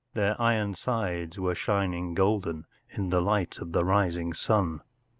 Their iron sides were shining golden in the light of the rising sun. V.